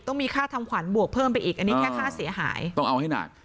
ต้องมีค่าทำขวัญบวกเพิ่มไปอีกอันนี้แค่ค่าเสียหายต้องเอาให้หนัก